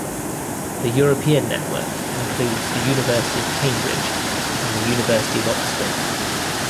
The European network includes the University of Cambridge and the University of Oxford.